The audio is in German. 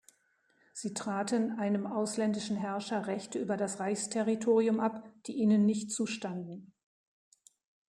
Sie traten einem ausländischen Herrscher Rechte über das Reichsterritorium ab, die ihnen nicht zustanden.